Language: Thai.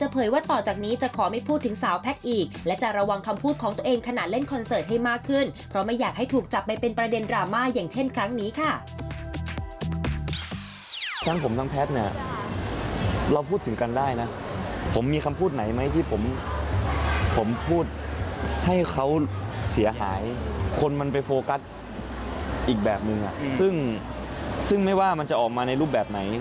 พูดถึงกันได้นะผมมีคำพูดไหนไหมที่ผมพูดให้เขาเสียหายคนมันไปโฟกัสอีกแบบหนึ่งซึ่งไม่ว่ามันจะออกมาในรูปแบบไหน